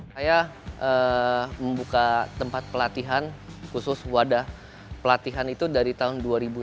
saya membuka tempat pelatihan khusus wadah pelatihan itu dari tahun dua ribu lima belas